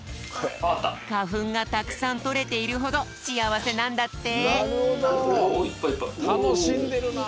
かふんがたくさんとれているほどしあわせなんだって。